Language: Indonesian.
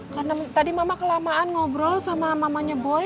karena tadi mama kelamaan ngobrol sama mamanya boy